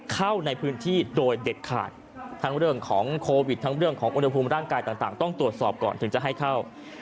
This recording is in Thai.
เข้าในพื้นที่โดยเด็ดขาดทั้งเรื่องของโควิดทั้งเรื่องของอุณหภูมิร่างกายต่างต้องตรวจสอบก่อนถึงจะให้เข้า